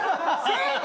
正解！